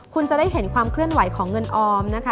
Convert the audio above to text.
คุณจะได้เห็นความเคลื่อนไหวของเงินออมนะคะ